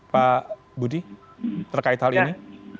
pak budi terkait hal ini